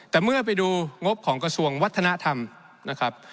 แต่เมื่อไปดูงบของกระทรวงวัฒนธรรมนะครับ